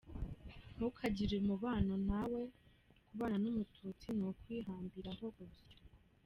Ntukagire umubano nawe: kubana n’umututsi ni ukwihambiraho urusyo.